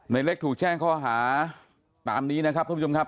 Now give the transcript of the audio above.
เล็กถูกแจ้งข้อหาตามนี้นะครับท่านผู้ชมครับ